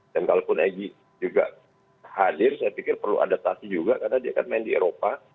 dan kalaupun egy juga hadir saya pikir perlu adaptasi juga karena dia akan main di eropa